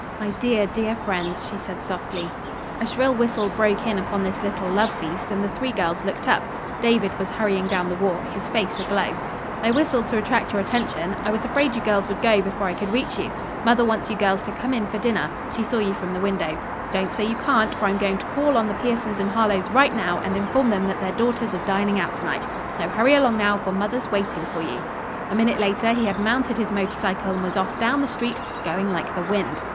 "My dear, dear friends," she said softly. A shrill whistle broke in upon this little love feast and the three girls looked up. David was hurrying down the walk, his face aglow. "I whistled to attract your attention. I was afraid you girls would go before I could reach you. Mother wants you girls to come in for dinner. She saw you from the window. Don't say you can't, for I'm going to call on the Piersons and Harlowes right now and inform them that their daughters are dining out to night. So hurry along now, for mother's waiting for you." A minute later he had mounted his motorcycle and was off down the street, going like the wind.